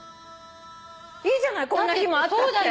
いいじゃないこんな日もあったって。